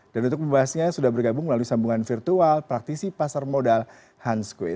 dan untuk membahasnya sudah bergabung melalui sambungan virtual praktisi pasar modal hans kueh